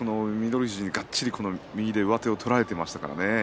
富士でがっちりと上手を取られていましたからね。